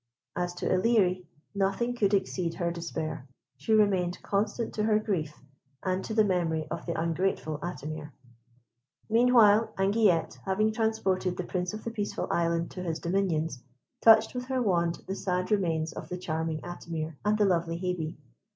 As to Ilerie, nothing could exceed her despair. She remained constant to her grief, and to the memory of the ungrateful Atimir. Meanwhile, Anguillette, having transported the Prince of the Peaceful Island to his dominions, touched with her wand the sad remains of the charming Atimir and the lovely Hebe.